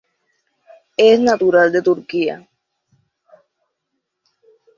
Es natural de Turquía.